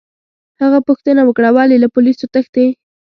هغه پوښتنه وکړه: ولي، له پولیسو تښتې؟